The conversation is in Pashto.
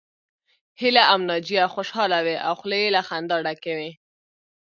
هيله او ناجيه خوشحاله وې او خولې يې له خندا ډکې وې